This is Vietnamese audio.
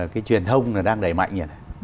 cái truyền thông đang đẩy mạnh